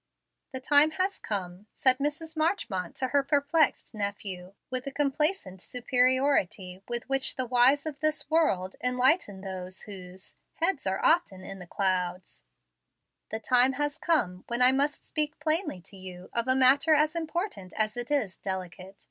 "The time has come," said Mrs. Marchmont to her perplexed nephew, with the complacent superiority with which the wise of this world enlighten those whose "heads are often in the clouds," "the time has come when I must speak plainly to you of a matter as important as it is delicate.